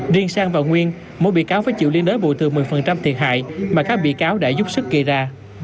riêng sang và nguyên mỗi bị cáo phải chịu liên đối từ một mươi thiệt hại mà các bị cáo đã giúp sức gây ra